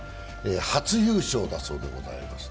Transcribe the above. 初優勝だそうでございます。